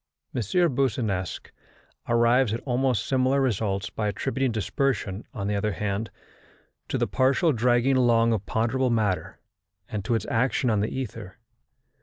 M. Boussinesq arrives at almost similar results, by attributing dispersion, on the other hand, to the partial dragging along of ponderable matter and to its action on the ether.